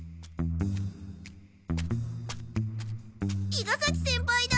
伊賀崎先輩だ。